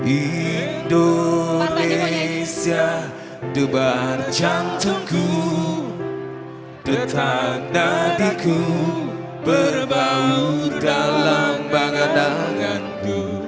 indonesia debar jantungku tetang nadiku berbau dalam bangat danganku